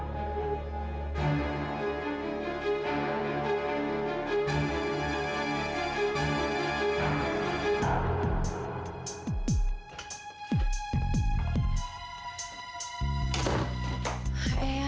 aku tillah kamu butuh jelek esa